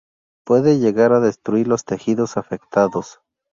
Puede llegar a destruir los tejidos afectados.